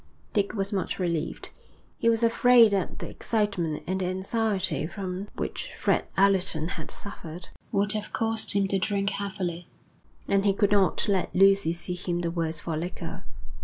Dick was much relieved. He was afraid that the excitement and the anxiety from which Fred Allerton had suffered, would have caused him to drink heavily; and he could not let Lucy see him the worse for liquor.